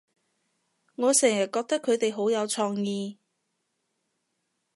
我成日覺得佢哋好有創意